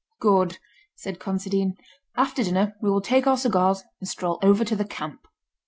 "Good!" said Considine. "After dinner we will take our cigars and stroll over to the camp."